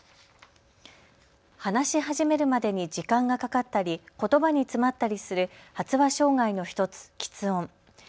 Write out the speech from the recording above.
話し始めるまでに時間がかかったりことばに詰まったりする発話障害の１つ、きつ音。